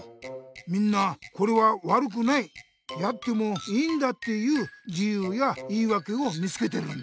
みんな「これは悪くない」「やってもいいんだ」っていう理ゆうや言いわけを見つけてるんだな。